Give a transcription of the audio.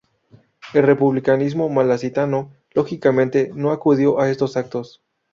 El republicanismo malacitano, lógicamente, no acudió a estos actos.